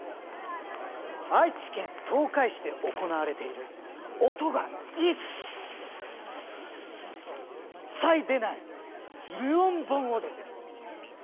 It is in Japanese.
愛知県東海市で行われている音がいっさい出ない無音盆踊りです。